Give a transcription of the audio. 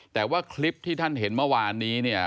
แต่ว่าคลิปที่ท่านเห็นเมื่อวานนี้เนี่ย